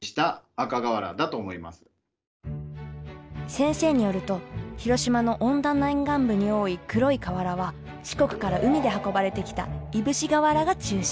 先生によると広島の温暖な沿岸部に多い黒い瓦は四国から海で運ばれてきたいぶし瓦が中心。